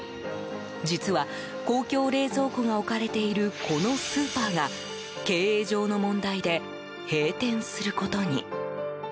実は公共冷蔵庫が置かれているこのスーパーが経営上の問題で閉店することに。